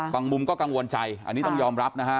มุมก็กังวลใจอันนี้ต้องยอมรับนะฮะ